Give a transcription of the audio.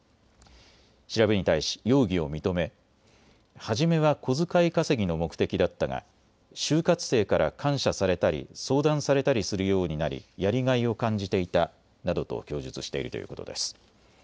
調べに対し容疑を認め、初めは小遣い稼ぎの目的だったが就活生から感謝されたり相談されたりするようになりやりがいを感じていたなどと供述しているということです。